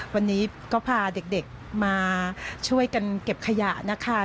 วันนี้ก็พาเด็กมาช่วยกันเก็บขยะนะคะ